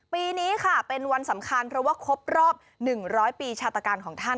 ปีนี้ค่ะเป็นวันสำคัญเพราะว่าครบรอบ๑๐๐ปีชาตการของท่าน